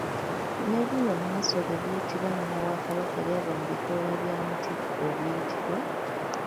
N'erinnya Nnamasole eriyitibwa nnyina wa Kabaka lyava ku bikoola bya muti oguyitibwa.